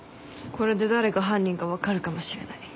これで誰が犯人か分かるかもしれない。